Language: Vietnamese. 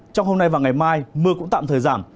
trong hôm nay và ngày mai mưa cũng tạm thời giảm